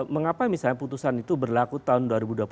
mengapa misalnya putusan itu berlaku tahun dua ribu dua puluh